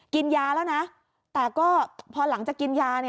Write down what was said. กินยาแล้วนะแต่ก็พอหลังจากกินยา